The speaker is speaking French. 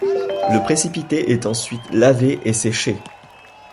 Le précipité est ensuite lavé et séché.